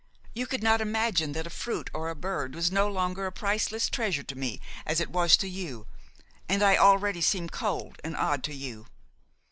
You could not imagine that a fruit or a bird was no longer a priceless treasure to me as it was to you, and I already seemed cold and odd to you.